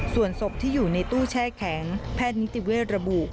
ส่วนศพที่อยู่ในตู้แช่แข็งแพทย์นิติเวทระบุ